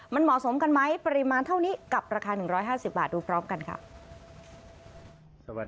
มันเหมาะสมกันไหมปริมาณเท่านี้กับราคา๑๕๐บาทดูพร้อมกันค่ะ